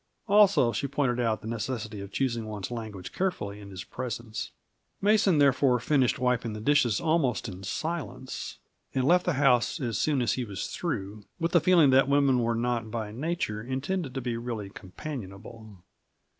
Also, she pointed out the necessity for choosing one's language carefully in his presence. Mason, therefore, finished wiping the dishes almost in silence, and left the house as soon as he was through, with the feeling that women were not by nature intended to be really companionable.